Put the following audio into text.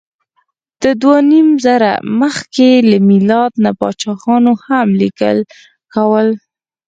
د دوهنیمزره مخکې له میلاد نه پاچاهانو هم لیکل کول.